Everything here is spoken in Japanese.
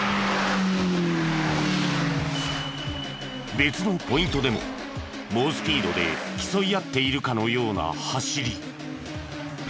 別のポイントでも猛スピードで競い合っているかのような走り。